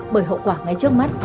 bởi hậu quả ngay trước mắt